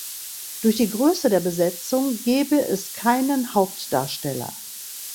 Durch die Größe der Besetzung gebe es keinen Hauptdarsteller.